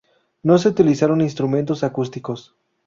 No se utilizaron instrumentos acústicos.